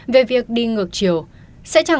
về việc đi ngược chiều